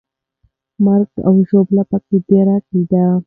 مرګ او ژوبله پکې ډېره کېده.